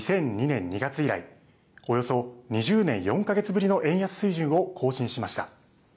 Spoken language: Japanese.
２００２年２月以来、およそ２０年４か月ぶりの円安水準を更新しました。